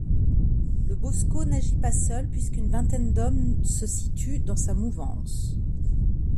Le bosco n'agit pas seul puisqu'une vingtaine d'hommes se situent dans sa mouvance.